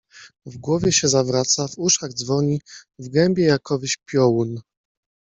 W głowie się zawraca, w uszach dzwoni, w gębie jakowyś piołun.